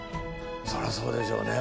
そりゃそうでしょうね。